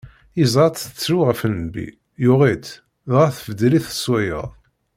Yeẓra-tt tettru ɣef nnbi, yuɣ-itt, dɣa tbeddel-it s wayeḍ.